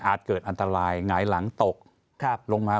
เกิดอันตรายหงายหลังตกลงมา